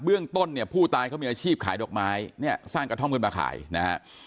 เรื่องต้นเนี่ยผู้ตายเขามีอาชีพขายดอกไม้เนี่ยสร้างกระท่อมกันมาขายนะฮะ